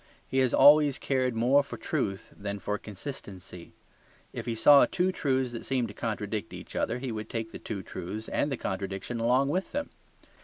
He has always cared more for truth than for consistency. If he saw two truths that seemed to contradict each other, he would take the two truths and the contradiction along with them.